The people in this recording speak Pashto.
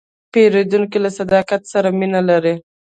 پیرودونکی له صداقت سره مینه لري.